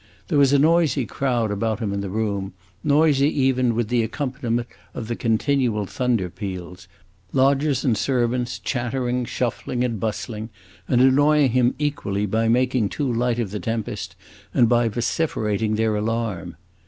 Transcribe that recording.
There was a noisy crowd about him in the room noisy even with the accompaniment of the continual thunder peals; lodgers and servants, chattering, shuffling, and bustling, and annoying him equally by making too light of the tempest and by vociferating their alarm.